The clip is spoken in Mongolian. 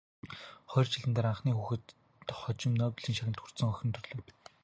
Хоёр жилийн дараа анхны хүүхэд, хожим Нобелийн шагнал хүртсэн охин нь төрлөө.